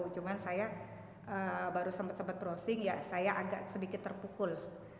cuma saya baru sempat browsing ya saya agak sedikit terpukul